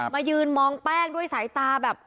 มายืนมองแป้งด้วยสายตาแบบ